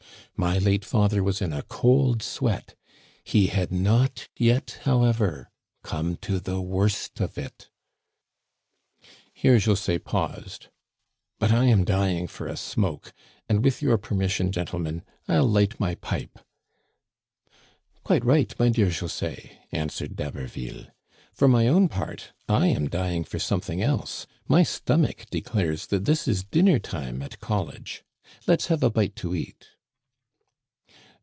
"My late father was in a cold sweat; he had not yet, however, come to the worst of it." Here José paused. " But I am dying for a smoke, and, with your permission, gentlemen, 1*11 light my pipe." " Quite right, my dear José/* answered D*Haberville. For my own part, I am dying for something else. My stomach declares that this is dinner hour at college. Let's have a bite to eat."